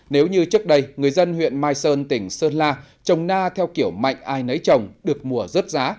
nếu như trước đây người dân huyện mai sơn tỉnh sơn la trồng na theo kiểu mạnh ai nấy trồng được mùa rớt giá